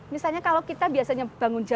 misalnya kalau kita biasanya bangun jam sepuluh